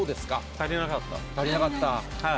足りなかった？